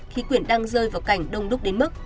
khí quyển đang rơi vào cảnh đông đúc đến mức